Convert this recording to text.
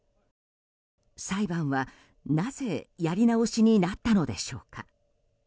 裁判は、なぜやり直しになったのでしょうか。